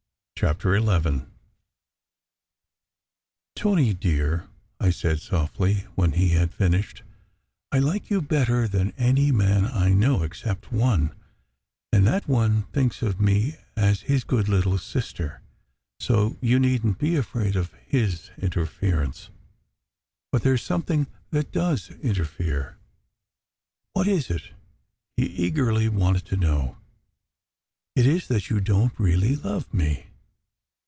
CHAPTER XI TONY dear," I said softly, when he had finished, "I like you better than any man I know, except one; and that one thinks of me as his good little sister, so you needn t be afraid of his interference. But there s something that does interfere!" "What is it?" he eagerly wanted to know. "It is that you don t really love me."